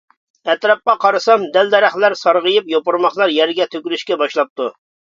ئەتراپقا قارىسام، دەل-دەرەخلەر سارغىيىپ، يوپۇرماقلار يەرگە تۆكۈلۈشكە باشلاپتۇ.